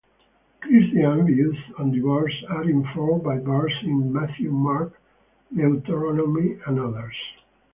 Christian views on divorce are informed by verses in Matthew, Mark, Deuteronomy, and others.